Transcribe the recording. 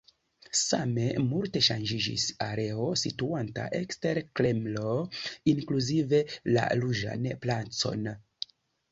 Same multe ŝanĝiĝis areo situanta ekster Kremlo, inkluzive la Ruĝan placon.